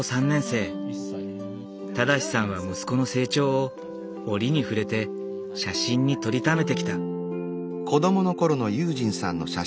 正さんは息子の成長を折に触れて写真に撮りためてきた。